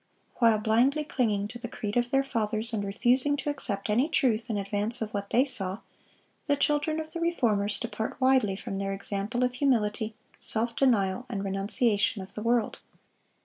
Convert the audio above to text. While blindly clinging to the creed of their fathers and refusing to accept any truth in advance of what they saw, the children of the reformers depart widely from their example of humility, self denial, and renunciation of the world.